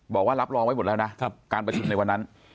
บอกว่ารับรองไว้หมดแล้วนะการประชุมในวันนั้น